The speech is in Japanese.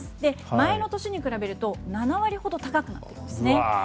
前の年に比べると７割ほど高くなっていますね。